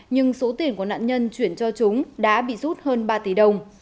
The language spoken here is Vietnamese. nhưng số tiền của nạn nhân chuyển cho chúng đã bị rút hơn ba tỷ đồng